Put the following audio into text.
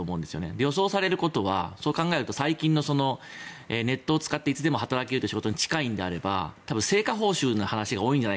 予想されることはそう考えると最近のネットを使っていつでも働けるというのに近いのであれば成果報酬の話が近いのではと。